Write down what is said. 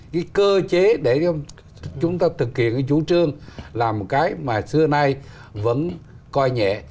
cái cơ chế để cho chúng ta thực hiện cái chủ trương là một cái mà xưa nay vẫn coi nhẹ